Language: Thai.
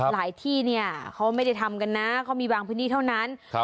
หลายที่เค้าไม่ได้ทำกันเค้ามีบางพื้นที่เท่านั้น